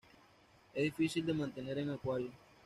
Es difícil de mantener en acuario.